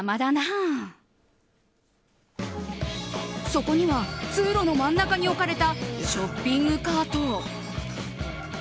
そこには通路の真ん中に置かれたショッピングカート。